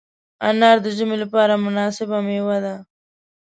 انار د ژمي لپاره مناسبه مېوه ده.